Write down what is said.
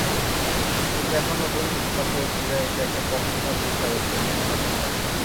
কিন্তু এখন নতুন কর্তাব্যক্তিরা এসে একটা পক্ষ নেওয়ার চেষ্টা করছেন, এটা হতাশার।